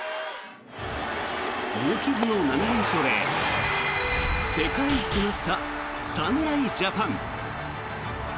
無傷の７連勝で世界一となった侍ジャパン。